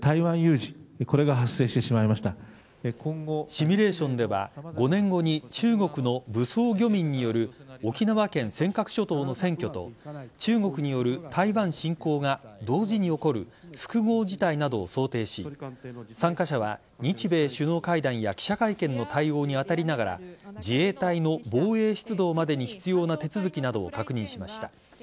シミュレーションでは５年後に中国の武装漁民による沖縄県尖閣諸島の占拠と中国による台湾侵攻が同時に起こる複合事態などを想定し参加者は日米首脳会談や記者会見の対応に当たりながら自衛隊の防衛出動までに必要な手続きなどを確認しました。